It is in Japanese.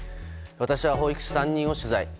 私は保育士３人を取材。